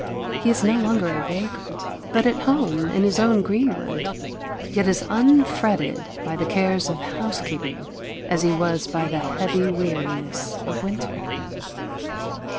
He is no longer a vagrant, but at home in his own greenwood, yet as unfretted by the cares of housekeeping as he was by the heavy weariness of winter.